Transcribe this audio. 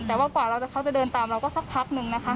แต่ว่ากว่าเขาจะเดินตามเราก็สักพักนึงนะคะ